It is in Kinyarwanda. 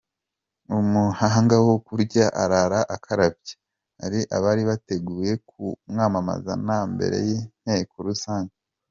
Umuhanga wo kurya arara akarabye, hari abari bateguye kumwamamaza na mbere y’Inteko rusange.